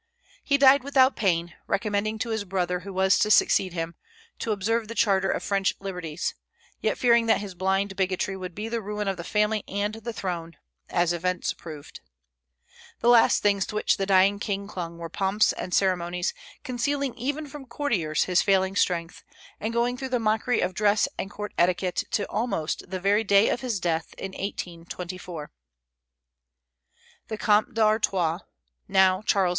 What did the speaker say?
He died without pain, recommending to his brother, who was to succeed him, to observe the charter of French liberties, yet fearing that his blind bigotry would be the ruin of the family and the throne, as events proved. The last things to which the dying king clung were pomps and ceremonies, concealing even from courtiers his failing strength, and going through the mockery of dress and court etiquette to almost the very day of his death, in 1824. The Comte d'Artois, now Charles X.